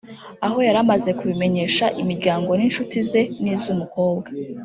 aho yari yaramaze kubimenyesha imiryango n'inshuti ze n'iz'umukobwa